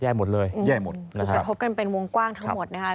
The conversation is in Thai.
หมดเลยแย่หมดเลยคือกระทบกันเป็นวงกว้างทั้งหมดนะคะ